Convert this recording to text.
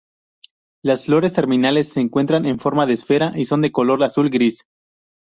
Las flores terminales se encuentra en forma de esfera y son de color azul-gris.